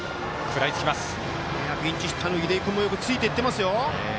ピンチヒッターの出井君もよくついていってます。